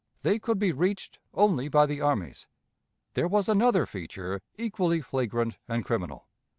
They could be reached only by the armies. There was another feature equally flagrant and criminal.